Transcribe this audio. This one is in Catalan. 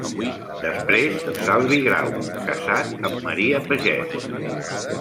Després Salvi Grau, casat amb Maria Pagès.